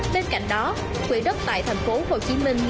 bên cạnh đó quỹ đất tại thành phố hồ chí minh